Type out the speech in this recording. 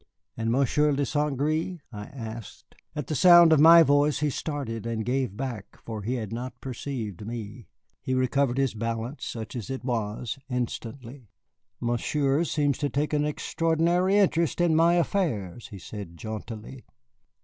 "And Monsieur de St. Gré!" I asked. At the sound of my voice he started and gave back, for he had not perceived me. He recovered his balance, such as it was, instantly. "Monsieur seems to take an extraordinary interest in my affairs," he said jauntily.